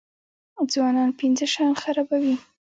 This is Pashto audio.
ځوانان پنځه شیان خرابوي.